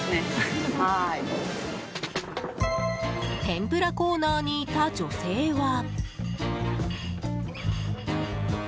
天ぷらコーナーにいた女性は。